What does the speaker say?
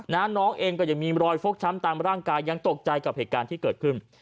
น้องเองก็ยังมีรอยฟกช้ำตามร่างกายยังตกใจกับเหตุการณ์ที่เกิดขึ้น